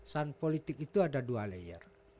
saan politik itu ada dua layer